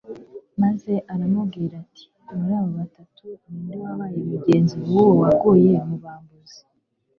maze aramubwira ati :" Muri abo batatu ni nde wabaye mugenzi w'uwo waguye mu bambuzi?"